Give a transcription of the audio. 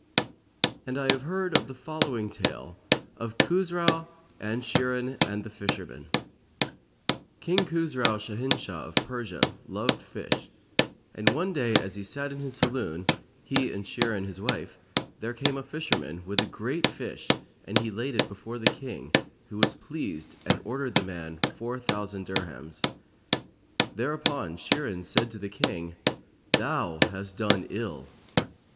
[FN#127] And I have heard the following tale of KHUSRAU AND SHIRIN AND THE FISHERMAN King Khusrau[FN#128] Shahinshah of Persia loved fish; and one day, as he sat in his saloon, he and Shirin his wife, there came a fisherman, with a great fish, and he laid it before the King, who was pleased and ordered the man four thousand dirhams.[FN#129] Thereupon Shirin said to the King, "Thou hast done ill."